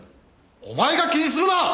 お前が気にするな！